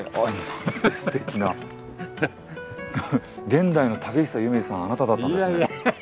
現代の竹久夢二さんあなただったんですね。